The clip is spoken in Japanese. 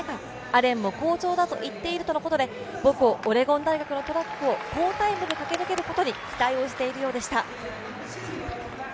アレンも好調だと言っているというとのことで、母校オレゴン大学のトラックを好タイムで駆け抜けることに期待をしているようでした。